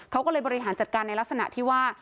เขาก็เลยบริหารจัดการในลักษณะที่ว่า